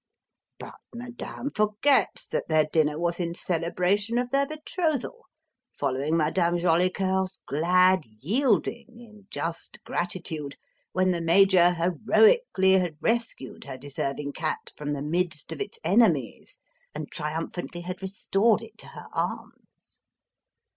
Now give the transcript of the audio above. "But Madame forgets that their dinner was in celebration of their betrothal following Madame Jolicoeur's glad yielding, in just gratitude, when the Major heroically had rescued her deserving cat from the midst of its enemies and triumphantly had restored it to her arms."